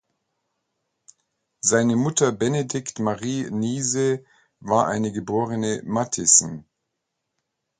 Seine Mutter Benedicte Marie Niese war eine geborene Matthiessen.